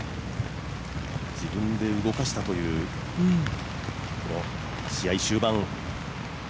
自分で動かしたという、この試合終盤。